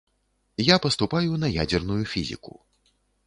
Я паступаю на ядзерную фізіку.